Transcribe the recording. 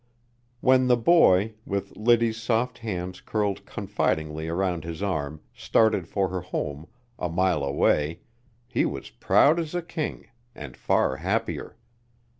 When the boy, with Liddy's soft hand curled confidingly around his arm, started for her home, a mile away, he was proud as a king, and far happier.